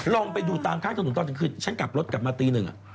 ลองไปดูตามข้างถนนตอนกลางคืนฉันกลับรถกลับมาตีหนึ่ง